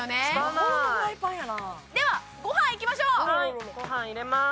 魔法のフライパンやなではご飯いきましょうはいご飯入れます